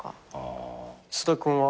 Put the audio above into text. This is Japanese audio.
菅田君は？